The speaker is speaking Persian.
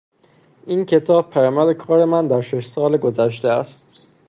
این کتاب پیامد کار من در شش سال گذشته است.